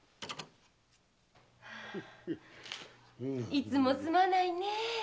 いつもすまないねえ。